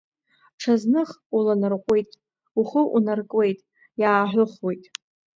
Ҽазных, уланарҟәуеит, ухы унаркуеит, иааҳәыхуеит.